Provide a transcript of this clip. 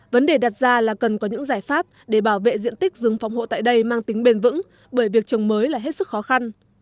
vấn đề đặt ra là cần có những giải pháp để bảo vệ diện tích rừng phòng hộ tại đây mang tính bền vững bởi việc trồng mới là hết sức khó khăn